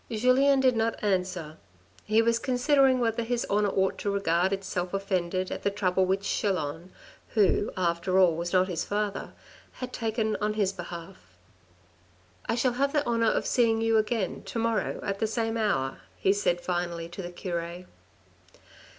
Julien did not answer. He was considering whether his honour ought to regard itself offended at the trouble which Chelan, who, after all, was not his father, had taken on his behalf. " I shall have the honour of seeing you again to morrow at the same hour," he said finally to the cure.